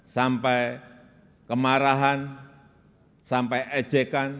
sampai kemarahan sampai ejekan